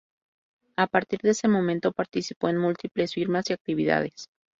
A partir de ese momento participó en múltiples firmas y actividades.